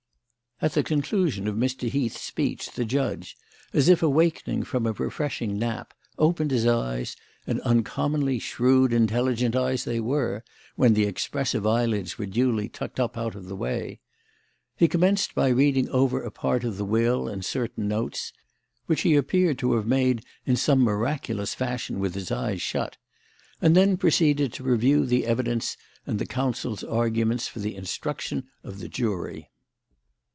At the conclusion of Mr. Heath's speech the judge, as if awakening from a refreshing nap, opened his eyes; and uncommonly shrewd, intelligent eyes they were, when the expressive eyelids were duly tucked up out of the way. He commenced by reading over a part of the will and certain notes which he appeared to have made in some miraculous fashion with his eyes shut and then proceeded to review the evidence and the counsels' arguments for the instruction of the jury.